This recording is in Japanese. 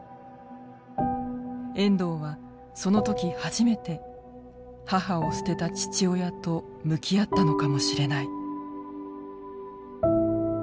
遠藤はその時初めて母を捨てた父親と向き合ったのかもしれない。